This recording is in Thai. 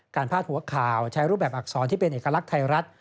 พาดหัวข่าวใช้รูปแบบอักษรที่เป็นเอกลักษณ์ไทยรัฐ